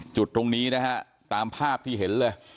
จุดตรงนี้นะฮะตามภาพที่เห็นเลย